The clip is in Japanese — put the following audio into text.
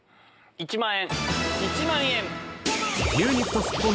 １万円。